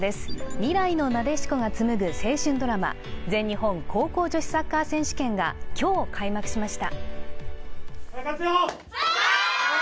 未来のなでしこがつむぐ青春ドラマ、全日本高校女子サッカー選手権が今日開幕しました。